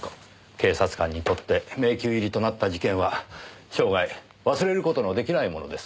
警察官にとって迷宮入りとなった事件は生涯忘れる事の出来ないものです。